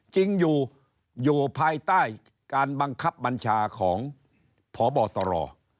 จริงอยู่อยู่ภายใต้การบังคับบัญชาของพบตร